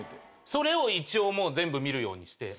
それを全部見るようにして。